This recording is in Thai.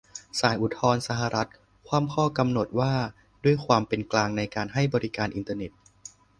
ศาลอุทธรณ์สหรัฐ คว่ำข้อกำหนดว่าด้วยความเป็นกลางในการให้บริการอินเทอร์เน็ต